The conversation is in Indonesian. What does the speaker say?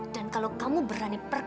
dan kalau kamu berani pergi